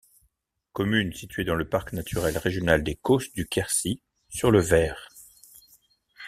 Commune située dans le parc naturel régional des Causses du Quercy, sur le Vers.